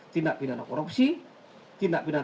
tindak pidana korupsi tindak pidana